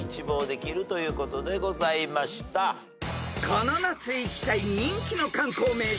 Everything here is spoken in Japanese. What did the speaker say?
［この夏行きたい人気の観光名所］